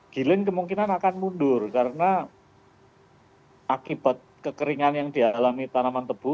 gilin kemungkinan akan mundur karena akibat kekeringan yang dialami tanaman tebu